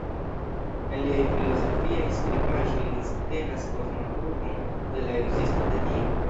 En liaj filozofiaj skribaĵoj li subtenas kosman pruvon de la ekzisto de Dio.